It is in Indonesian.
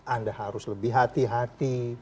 anda harus lebih hati hati